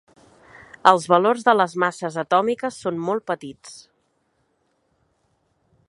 Els valors de les masses atòmiques són molt petits.